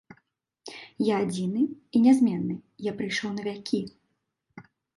Я адзіны і нязменны, я прыйшоў на вякі.